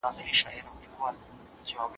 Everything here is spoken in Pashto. چې د شعر او نثر د طریقت